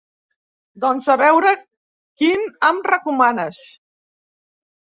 Doncs a veure quin em recomanes.